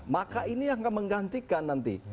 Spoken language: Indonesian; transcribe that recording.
maka ini yang akan menggantikan nanti